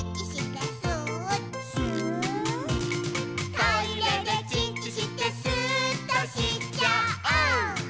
「トイレでチッチしてスーっとしちゃお！」